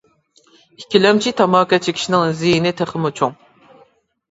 ئىككىلەمچى تاماكا چېكىشنىڭ زىيىنى تېخىمۇ چوڭ.